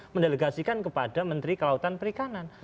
mendelegasikan kepada menteri kelautan perikanan